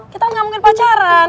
kita gak mungkin pacaran